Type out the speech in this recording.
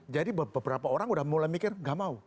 jadi beberapa orang udah mulai mikir gak mau